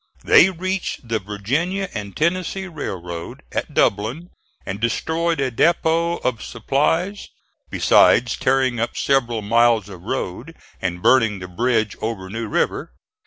They reached the Virginia and Tennessee Railroad at Dublin and destroyed a depot of supplies, besides tearing up several miles of road and burning the bridge over New River.